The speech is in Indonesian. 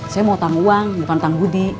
saya mau hutang uang bukan hutang budi